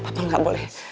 papa gak boleh